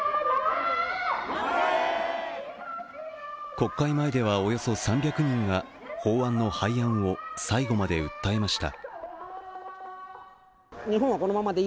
国会前では、およそ３００人が法案の廃案を最後まで訴えました。